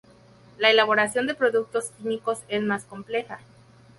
La elaboración de productos químicos es más compleja.